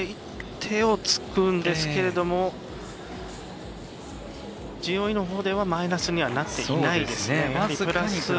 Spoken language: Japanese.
手をつくんですけれどもＧＯＥのほうではマイナスになっていないですね。